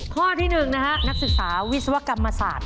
ข้อที่๑นะฮะนักศึกษาวิศวกรรมศาสตร์